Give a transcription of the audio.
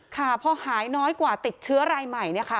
ค่ะพอหายน้อยกว่าติดเชื้อรายใหม่เนี่ยค่ะ